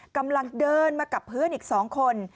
กำลังเดินมากับเพื่อนอีก๒คน